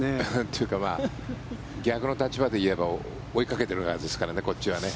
というか逆の立場で言えば追いかけている側ですからねこっちはね。